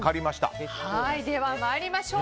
では参りましょう。